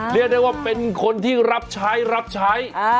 เรียกได้ว่าเป็นคนที่รับใช้